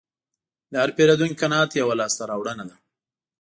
د هر پیرودونکي قناعت یوه لاسته راوړنه ده.